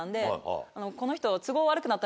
この人。